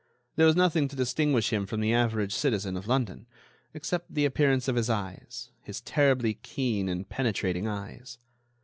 There was nothing to distinguish him from the average citizen of London, except the appearance of his eyes, his terribly keen and penetrating eyes.